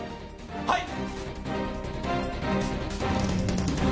はい。